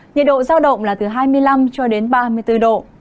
nhiệt độ giao động là từ hai mươi năm cho đến ba mươi bốn độ